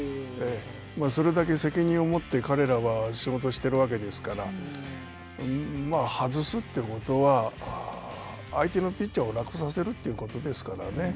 それだけ責任を持って彼らは仕事をしてるわけですから、外すということは、相手のピッチャーを楽にさせるということですからね。